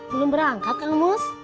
belum berangkat elmus